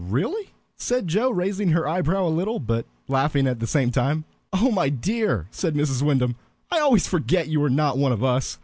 "Really?" said Joe, raising her eyebrows a little, but laughing at the same time. "Oh my dear," said Mrs. Wyndham, "I always forget you are not one of us.